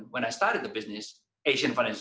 ketika saya memulai bisnis